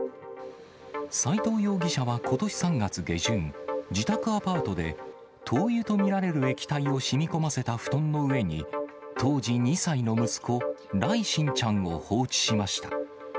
斉藤容疑者はことし３月下旬、自宅アパートで、灯油と見られる液体をしみこませた布団の上に、当時２歳の息子、來心ちゃんを放置しました。